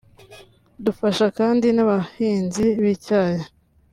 Dufasha kandi n’abahinzi b’icyayi